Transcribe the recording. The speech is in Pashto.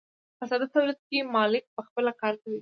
په ساده تولید کې مالک پخپله کار کوي.